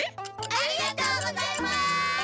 ありがとうございます！